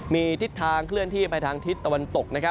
มีทิศทางเคลื่อนที่ไปทางทิศตะวันตก